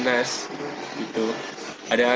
ada suatu impian yang pasti semua pemain basket